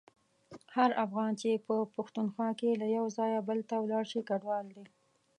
هر افغان چي په پښتونخوا کي له یو ځایه بل ته ولاړشي کډوال دی.